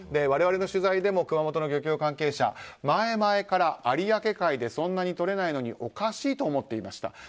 我々の取材でも熊本の漁協関係者前々から有明海でそんなに取れないのにおかしいと思っていました。